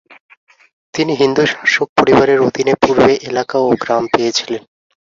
তিনি হিন্দু শাসক পরিবারের অধীনে পূর্বে এলাকা ও গ্রাম পেয়েছিলেন।